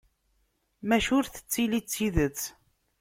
Maca ur tettili d tidet